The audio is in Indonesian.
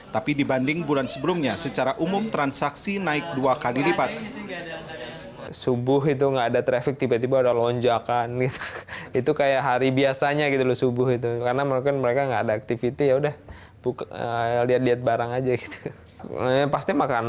tapi dibanding bulan sebelumnya secara umum transaksi naik dua kali lipat